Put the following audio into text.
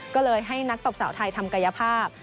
ก็เลยให้นักตบสาวไทยทำกายภาพ